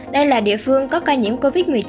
đây là địa phương có ca nhiễm covid một mươi chín